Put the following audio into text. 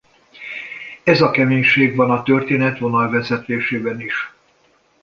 Ez a keménység van a történet vonalvezetésében is.